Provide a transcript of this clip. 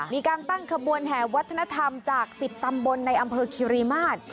มีการตั้งขบวนแห่วัฒนธรรมจาก๑๐ตำบลในอำเภอคิริมาตร